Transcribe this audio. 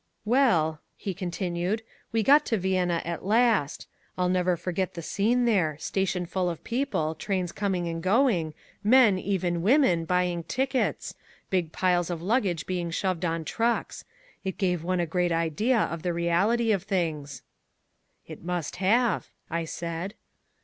"Well," he continued, "we got to Vienna at last. I'll never forget the scene there, station full of people, trains coming and going, men, even women, buying tickets, big piles of luggage being shoved on trucks. It gave one a great idea of the reality of things." "It must have," I said.